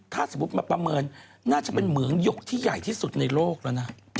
ถ้าสมมุติมาประเมินน่าจะเป็นเหมืองหยกที่ใหญ่ที่สุดในโลกแล้วนะ